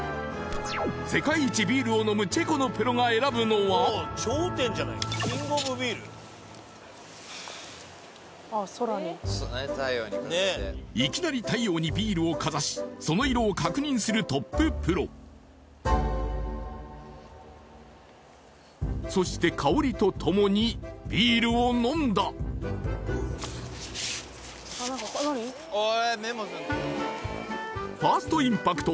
世界一ビールを飲むチェコのプロが選ぶのはいきなり太陽にビールをかざしその色を確認するトッププロそして香りとともにビールを飲んだファーストインパクト